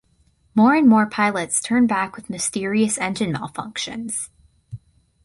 More and more pilots turn back with mysterious engine malfunctions.